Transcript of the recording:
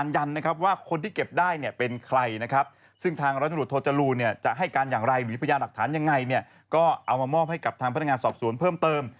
ได้เนี่ยเป็นใครนะครับซึ่งทางรัฐมนุษย์โทจรูเนี่ยจะให้การอย่างไรหรือพยานหลักฐานยังไงเนี่ยก็เอามามอบให้กับทางพนักงานสอบสวนเพิ่มเติม